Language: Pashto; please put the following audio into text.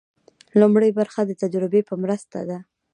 لومړۍ برخه د تجربې په مرسته ده.